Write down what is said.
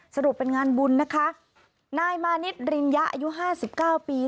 สรุปเป็นงานบุญนะคะนายมานิดริญญะอายุห้าสิบเก้าปี